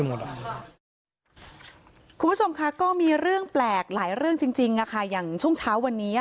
คุณผู้ชมค่ะก็มีเรื่องแปลกหลายเรื่องจริงอย่างช่วงเช้าวันนี้